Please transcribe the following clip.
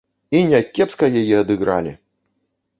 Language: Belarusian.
І някепска яе адыгралі!